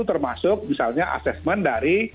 termasuk misalnya assessment dari